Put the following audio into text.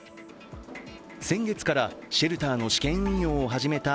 先月からシェルターの試験運用を始めた